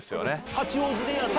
八王子でやるの？